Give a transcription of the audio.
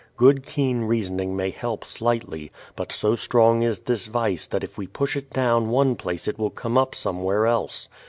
Good keen reasoning may help slightly, but so strong is this vice that if we push it down one place it will come up somewhere else.